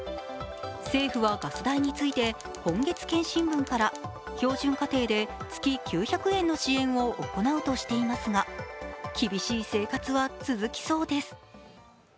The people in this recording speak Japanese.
政府はガス代について今月検針分から標準家庭で月９００円の支援を行うとしていますが厳しい生活は続きそうです。